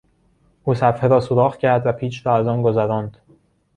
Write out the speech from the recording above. او صفحه را سوراخ کرد و پیچ را از آن گذراند.